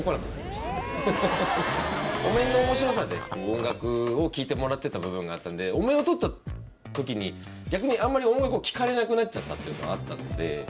お面の面白さで音楽を聴いてもらってた部分があったんでお面を取った時に逆にあんまり音楽を聴かれなくなっちゃったってのはあったので。